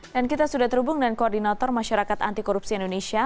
dan kita sudah terhubung dengan koordinator masyarakat antikorupsi indonesia